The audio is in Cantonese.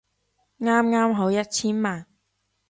啱啱好一千萬